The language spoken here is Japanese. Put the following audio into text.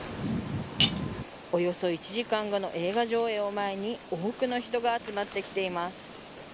およそ１時間後の映画上映を前に多くの人が集まってきています。